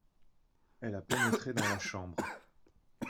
Elle a pénétré dans la chambre.